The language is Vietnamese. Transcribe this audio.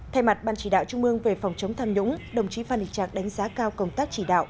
thay mặt ban chỉ đạo trung mương về phòng chống tham nhũng đồng chí phan đình trạc đánh giá cao công tác chỉ đạo